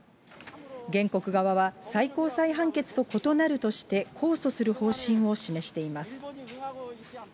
原告側は最高裁判決と異なるとして、控訴する方針を示しています。